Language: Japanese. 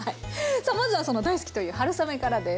さあまずはその大好きという春雨からです。